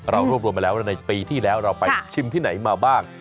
เรารวบรวมมาแล้วในปีที่แล้วเราไปชิมที่ไหนมาบ้าง